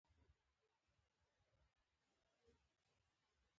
احمد تل د ملک خوټو ته اوبه وراچوي.